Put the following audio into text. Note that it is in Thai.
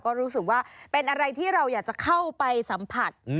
ก็รู้สึกว่าเป็นอะไรที่เราอยากจะเข้าไปสัมผัส